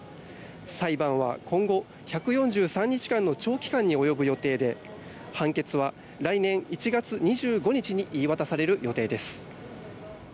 裁判は今後１４３日間の長期間に及ぶ予定で判決は来年１月２５日に言い渡される予定です。